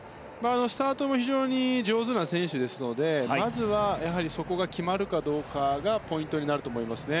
スタートも非常に上手な選手ですのでまずは、そこが決まるかどうかがポイントになると思いますね。